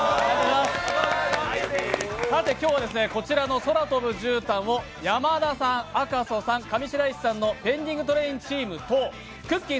さて今日はこちらの「空飛ぶじゅうたん」を山田さん、赤楚さん、上白石さんの「ペンディングトレイン」チームとくっきー！